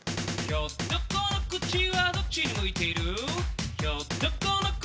ひょっとこの口はどっちに向いている？